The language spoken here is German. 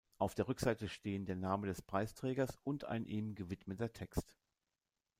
Auf der Rückseite stehen der Name des Preisträgers und ein ihm gewidmeter Text.